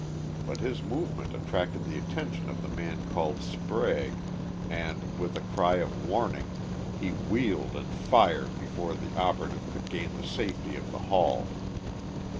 But his movement attracted the attention of the man called Sprague and, with a cry of warning, he wheeled and fired before the operative could gain the safety of the hall.